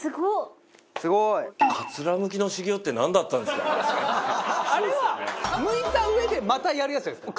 すごい！あれはむいたうえでまたやるやつじゃないですか？